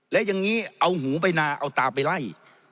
และอย่างนี้เอาหูไปนาเอาตาไปไล่